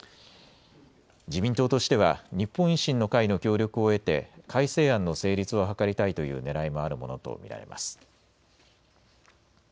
自民党としては日本維新の会の協力を得て改正案の成立を図りたいというねらいもあるものと見られます。